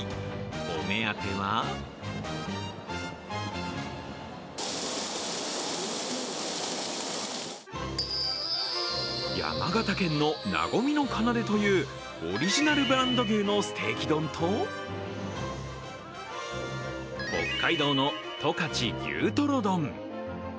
お目当ては山形県の和の奏というオリジナルブランド牛のステーキ丼と北海道の十勝牛とろ丼。